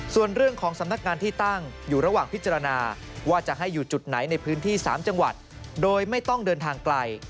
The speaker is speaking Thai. ส่วนเรื่องของสำนักงานที่ตั้งอยู่ระหว่างพิจารณาว่าจะให้อยู่จุดไหนในพื้นที่๓จังหวัดโดยไม่ต้องเดินทางไกล